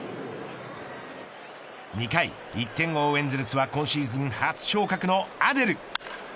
２回ｍ１点を追うエンゼルスは今シーズン初昇格のアデル。